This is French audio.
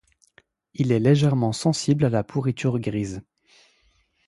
Il est légèrement sensible à la pourriture grise.